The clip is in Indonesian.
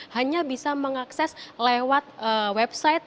hanya bisa mengakses lewat website